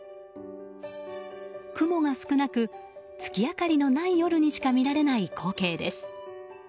雲が少なく月明かりのない夜にしか見られない光景です。